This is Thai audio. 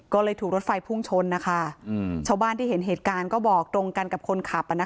ก็เลยถูกรถไฟพุ่งชนนะคะชาวบ้านที่เห็นเหตุการณ์ก็บอกตรงกันกับคนขับ